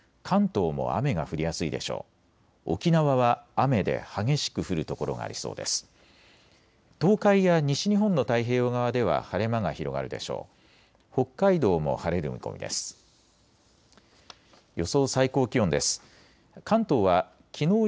東海や西日本の太平洋側では晴れ間が広がるでしょう。